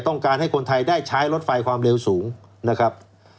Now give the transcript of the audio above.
ต้องการให้คนไทยได้ใช้รถไฟความเร็วสูงนะครับ